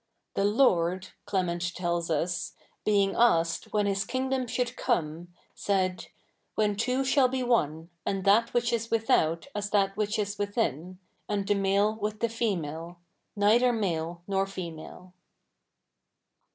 " The Lord" Clement tells us, ^'' being asked when JLis kingdo77i should co77ie, said, Whe7i two shall be 07ie, a7id that ivhich is without as that ivhich is within, and tJie 77iale ivith the fei7iale — neither 77iale 7ior fe77iale."